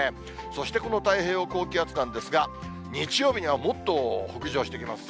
そしてこの太平洋高気圧なんですが、日曜日にはもっと北上してきます。